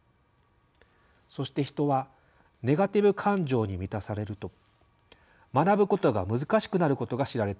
そして人はネガティブ感情に満たされると学ぶことが難しくなることが知られています。